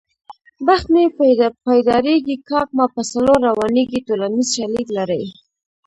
بخت مې پیدارېږي کاک مې په څلور روانېږي ټولنیز شالید لري